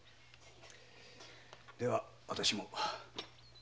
では私も。